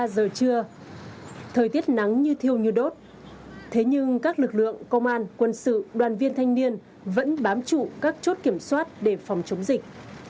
một mươi giờ trưa thời tiết nắng như thiêu như đốt thế nhưng các lực lượng công an quân sự đoàn viên thanh niên vẫn bám trụ các chốt kiểm soát để phòng chống dịch